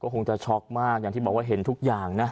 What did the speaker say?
คงจะช็อกมากอย่างที่บอกว่าเห็นทุกอย่างนะ